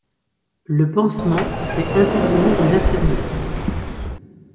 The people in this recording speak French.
Le pansement fait intervenir un infirmier.